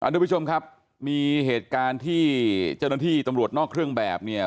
ทุกผู้ชมครับมีเหตุการณ์ที่เจ้าหน้าที่ตำรวจนอกเครื่องแบบเนี่ย